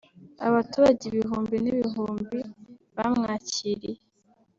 Abaturage ibihumbi n’ibihumbi bamwakiriye